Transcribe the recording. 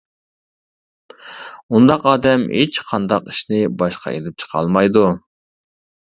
ئۇنداق ئادەم ھېچقانداق ئىشنى باشقا ئىلىپ چىقالمايدۇ.